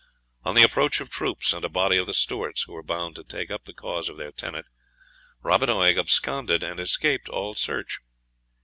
On the approach of troops, and a body of the Stewarts, who were bound to take up the cause of their tenant, Robin Oig absconded, and escaped all search.